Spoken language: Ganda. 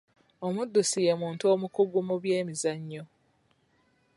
Omuddusi ye muntu omukugu mu byemizannyo.